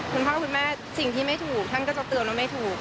คุณพ่อคุณแม่สิ่งที่ไม่ถูกท่านก็จะเตือนว่าไม่ถูก